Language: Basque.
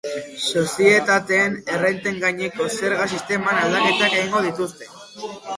Sozietateen errenten gaineko zerga sisteman aldaketak egingo dituzte.